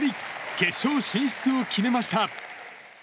決勝進出を決めました。